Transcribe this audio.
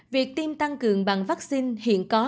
việc tiêm tăng cường bằng vaccine hiện có